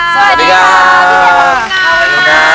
สวัสดีครับพี่เจ้าคุณครับ